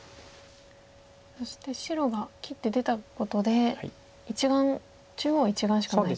そして白が切って出たことで中央は１眼しかないってことですね。